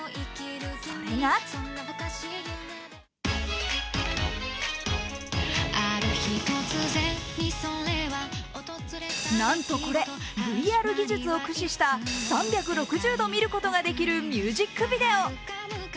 それがなんとこれ、ＶＲ技術を駆使した３６０度見ることができるミュージックビデオ。